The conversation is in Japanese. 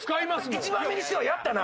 １番目にしてはやったな。